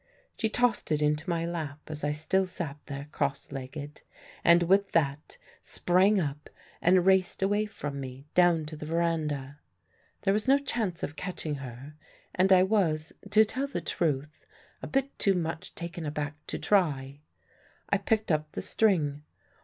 She tossed it into my lap as I still sat there cross legged, and with that sprang up and raced away from me, down to the verandah. There was no chance of catching her, and I was (to tell the truth) a bit too much taken aback to try. I picked up the string.